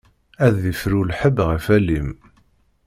Ad ifru lḥebb ɣef alim.